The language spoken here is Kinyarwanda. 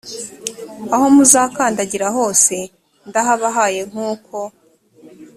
aho muzakandagira hose ndahabahaye nk uko